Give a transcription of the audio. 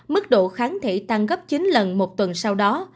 mức độ kháng thể tăng gấp chín lần một tuần sau đó